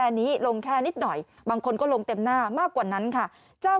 เอหี้เอฮีเอฮีมะมะมามามานิมามา